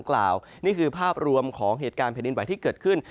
ของเหตุการณ์แผนดินไหวที่เกิดขึ้น